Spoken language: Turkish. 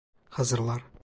Hazırlar.